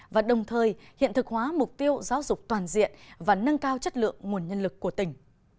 và đồng thời hiện thực hóa mục tiêu giáo dục toàn diện và nâng cao chất lượng nguồn nhân lực của tỉnh